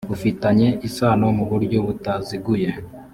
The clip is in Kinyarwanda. ufitanye isano mu buryo butaziguye